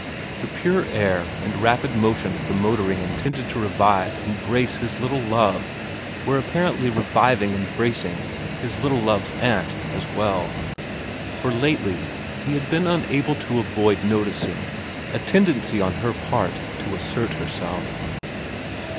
The pure air and rapid motion of the motoring intended to revive and brace his little love were apparently reviving and bracing his little love's aunt as well, for lately he had been unable to avoid noticing a tendency on her part to assert herself.